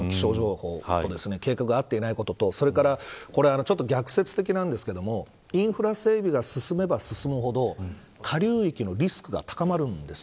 気象情報、計画があっていないこととそれから逆説的なんですけどインフラ整備が進めば進むほど下流域のリスクが高まるんです。